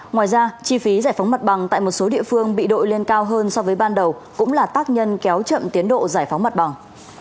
ngoài ra chi phí giải phóng mặt bằng tại một số địa phương bị đội lên cao hơn so với ban đầu cũng là tác nhân kéo chậm tiến độ giải phóng mặt bằng